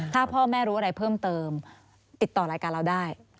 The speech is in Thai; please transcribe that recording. ถ้าพ่อแม่รู้อะไรเพิ่มเติมติดต่อรายการเราได้